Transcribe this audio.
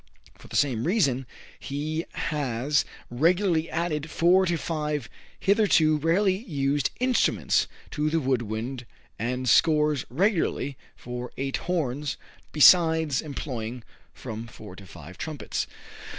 For the same reason, he has regularly added four or five hitherto rarely used instruments to the woodwind and scores, regularly, for eight horns, besides employing from four to five trumpets.